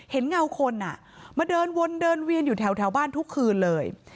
เงาคนมาเดินวนเดินเวียนอยู่แถวบ้านทุกคืนเลย